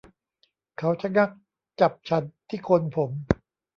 เขาชะงักจับฉันที่โคนผม